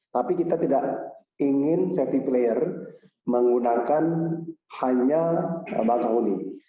tapi kita tidak ingin safety player menggunakan hanya bakahuni